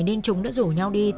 nên chúng đã rủ nhau đi